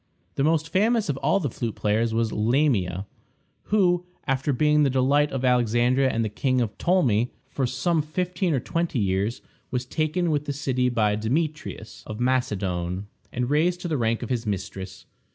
The most famous of all the flute players was Lamia, who, after being the delight of Alexandria and of King Ptolemy for some fifteen or twenty years, was taken with the city by Demetrius of Macedon, and raised to the rank of his mistress.